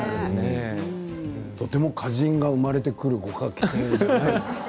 とても歌人が生まれてくるようなご家庭では。